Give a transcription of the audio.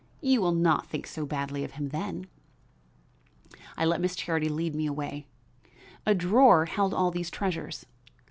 You will not think so badly of him then." I let Miss Charity lead me away. A drawer held all these treasures.